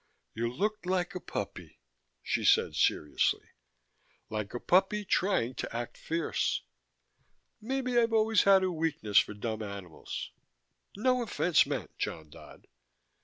"You looked like a puppy," she said seriously. "Like a puppy trying to act fierce. Maybe I've always had a weakness for dumb animals: no offense meant, John Dodd."